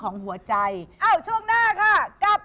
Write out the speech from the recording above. ได้ครับ